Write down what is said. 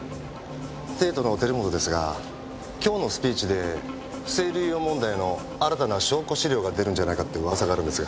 帝都の照本ですが今日のスピーチで不正流用問題の新たな証拠資料が出るんじゃないかって噂があるんですが。